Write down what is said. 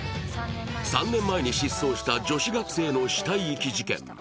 ３年前に失踪した女子学生の死体遺棄事件。